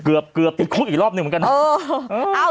เกือบติดคุกอีกรอบหนึ่งเหมือนกันเนาะ